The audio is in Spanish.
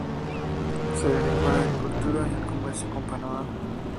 Se dedicó a la agricultura y al comercio con Panamá.